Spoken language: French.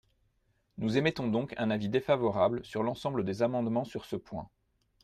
Nous émettons donc un avis défavorable sur l’ensemble des amendements sur ce point.